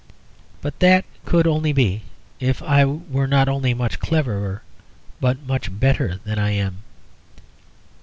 But that could only be if I were not only much cleverer, but much better than I am.